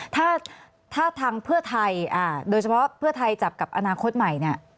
ถ้าทางเพื่อไทยโดยเฉพาะเพื่อไทยจับกับอนาคตใหม่เนี่ย